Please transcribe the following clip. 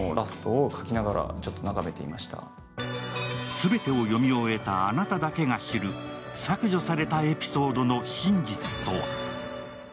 全てを読み終えたあなただけが知る、削除されたエピソードの真実とは？